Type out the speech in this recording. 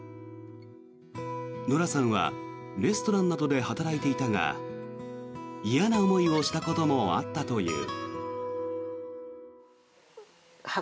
ノラさんはレストランなどで働いていたが嫌な思いをしたこともあったという。